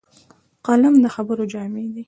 قلم د خبرو جامې دي